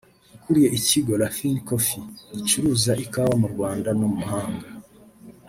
ukuriye ikigo ‘Raphi Coffee’ gicuruza ikawa mu Rwanda no mu mahanga